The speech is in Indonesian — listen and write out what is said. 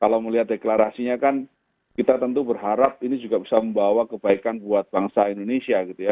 kalau melihat deklarasinya kan kita tentu berharap ini juga bisa membawa kebaikan buat bangsa indonesia gitu ya